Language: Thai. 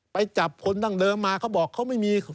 ไปจับคนดั้งเดิมมาเขาบอกเขาไม่มี